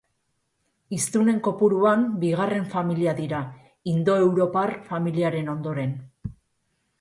Hiztunen kopuruan bigarren familia dira, indoeuropar familiaren ondoren.